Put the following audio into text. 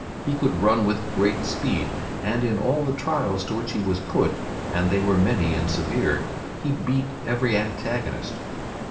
He could run with great speed; and in all the trials to which he was put, (and they were many and severe,) he beat every antagonist.